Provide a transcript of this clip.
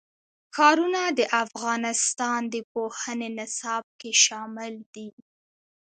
ښارونه د افغانستان د پوهنې نصاب کې شامل دي.